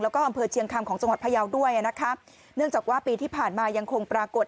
แล้วก็อำเภอเชียงคำของจังหวัดพยาวด้วยนะคะเนื่องจากว่าปีที่ผ่านมายังคงปรากฏ